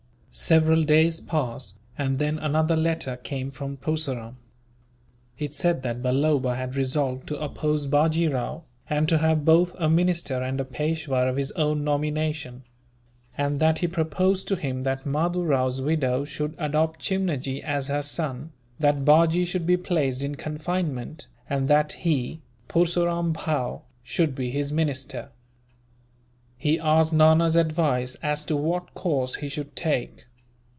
Several days passed, and then another letter came from Purseram. It said that Balloba had resolved to oppose Bajee Rao, and to have both a minister and a Peishwa of his own nomination; and that he proposed to him that Mahdoo Rao's widow should adopt Chimnajee as her son, that Bajee should be placed in confinement, and that he, Purseram Bhow, should be his minister. He asked Nana's advice as to what course he should take.